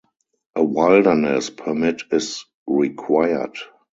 A wilderness permit is required.